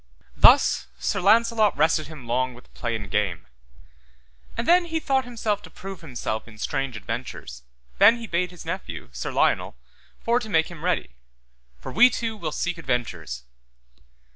Thus Sir Launcelot rested him long with play and game. And then he thought himself to prove himself in strange adventures, then he bade his nephew, Sir Lionel, for to make him ready; for we two will seek adventures.